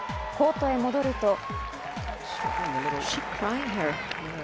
コートへ戻ると。